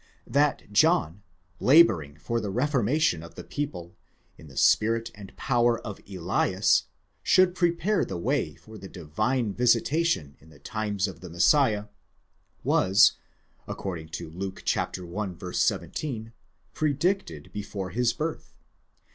That John, labouring for the reformation of the people, in the spirit and power of Elias, should prepare the way for the Divine visitation in the times of the Messiah, was according to Luke i. 17, predicted before his birth.